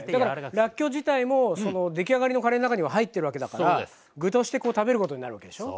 らっきょう自体も出来上がりのカレーの中には入っているわけだから具として食べることになるわけでしょう。